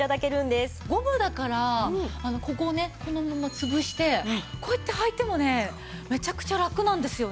ゴムだからここをねこのままつぶしてこうやって履いてもねめちゃくちゃラクなんですよね。